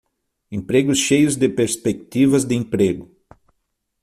Empregos cheios de perspectivas de emprego